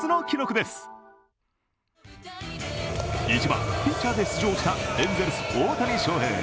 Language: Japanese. １番・ピッチャーで出場したエンゼルス・大谷翔平。